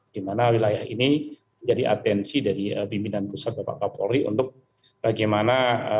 di mana wilayah ini menjadi atensi dari pimpinan pusat bapak kapolri untuk bagaimana